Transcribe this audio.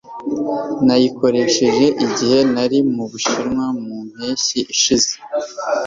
Nayikoresheje igihe nari mu Bushinwa mu mpeshyi ishize